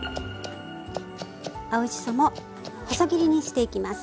青じそも細切りにしていきます。